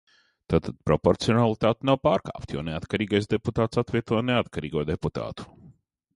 Tātad proporcionalitāte nav pārkāpta, jo neatkarīgais deputāts atvieto neatkarīgo deputātu.